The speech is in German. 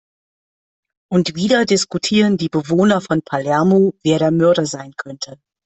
Und wieder diskutieren die Bewohner von Palermo, wer der Mörder sein könnte.